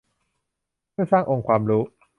เพื่อสร้างองค์ความรู้